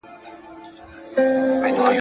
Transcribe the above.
پل غوندي بې سترګو یم ملګری د کاروان یمه `